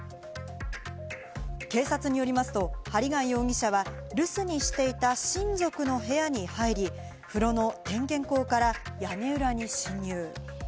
警察によりますと、針谷容疑者は留守にしていた親族の部屋に入り、風呂の点検口から屋根裏に侵入。